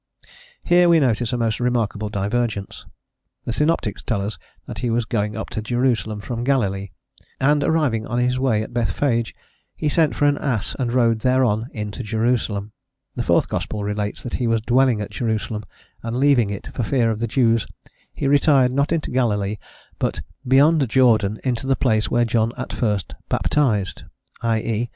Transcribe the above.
Here we notice a most remarkable divergence: the synoptics tell us that he was going up to Jerusalem from Galilee, and, arriving on his way at Bethphage, he sent for an ass and rode thereon into Jerusalem: the fourth gospel relates that he was dwelling at Jerusalem, and leaving it, for fear of the Jews, he retired, not into Galilee, but "beyond Jordan, into the place where John at first baptised," i.e.